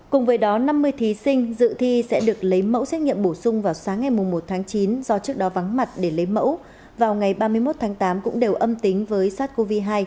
cùng với đó năm mươi thí sinh dự thi sẽ được lấy mẫu xét nghiệm bổ sung vào sáng ngày một tháng chín do trước đó vắng mặt để lấy mẫu vào ngày ba mươi một tháng tám cũng đều âm tính với sars cov hai